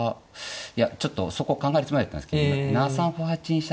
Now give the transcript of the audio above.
いやちょっとそこ考えるつもりだったんですけど７三歩８二飛車